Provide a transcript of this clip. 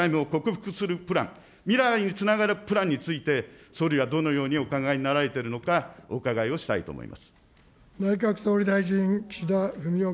この過剰債務を克服するプラン、未来につながるプランについて、総理はどのようにお考えになられているのか、お伺いをしたいと思います。